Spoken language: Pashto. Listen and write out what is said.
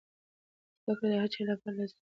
زده کړه د هر چا لپاره لازمي ده.